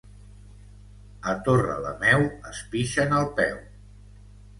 A Torrelameu es pixen al peu.